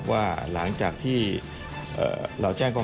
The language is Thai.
มีความรู้สึกว่ามีความรู้สึกว่า